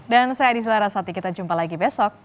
dan saya adi selarasati kita jumpa lagi besok